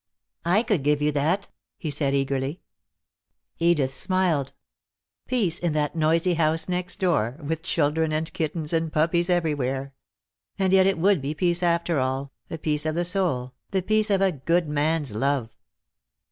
"I could give you that," he said eagerly. Edith smiled. Peace, in that noisy house next door, with children and kittens and puppies everywhere! And yet it would be peace, after all, a peace of the soul, the peace of a good man's love.